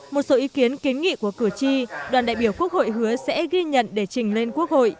một số ý kiến kiến nghị của cử tri đoàn đại biểu quốc hội hứa sẽ ghi nhận để trình lên quốc hội